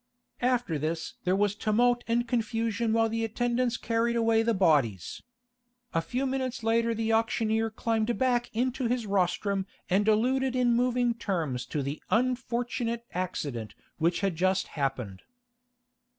After this there was tumult and confusion while the attendants carried away the bodies. A few minutes later the auctioneer climbed back into his rostrum and alluded in moving terms to the "unfortunate accident" which had just happened.